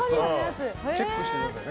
チェックしてくださいね。